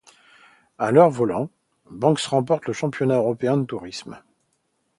À leur volant, Banks remporte le championnat européen de tourisme.